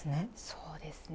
そうですね。